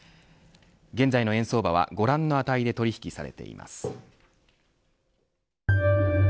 現在の円相場はご覧の値で取引されています。